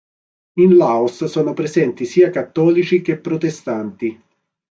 In Laos sono presenti sia cattolici che protestanti.